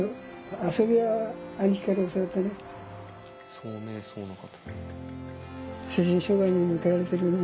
聡明そうな方。